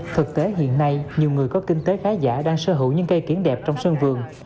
thực tế hiện nay nhiều người có kinh tế khá giả đang sở hữu những cây kiển đẹp trong sân vườn